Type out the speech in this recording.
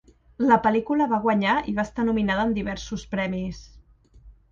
La pel·lícula va guanyar i va estar nominada en diversos premis.